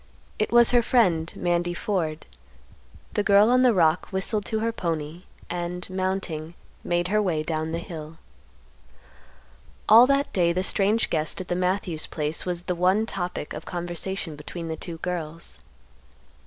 It was her friend, Mandy Ford. The girl on the rock whistled to her pony, and, mounting, made her way down the hill. All that day the strange guest at the Matthews place was the one topic of conversation between the two girls.